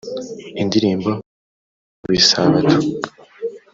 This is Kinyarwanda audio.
indirimbo yo ku munsi w isabato